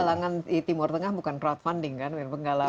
jadi penggalangan di timur tengah bukan crowdfunding kan